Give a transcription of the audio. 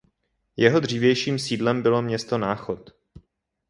Jeho dřívějším sídlem bylo město Náchod.